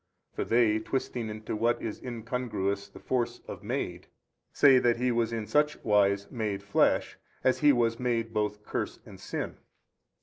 for they twisting into what is incongruous the force of MADE, say that He was in such wise MADE flesh, as He was made both curse and sin.